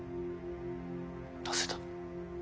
なぜだ？